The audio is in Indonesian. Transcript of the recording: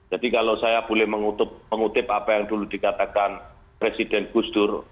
jadi kalau saya boleh mengutip apa yang dulu dikatakan presiden gusdur